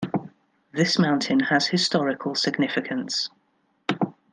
This mountain has historical significance.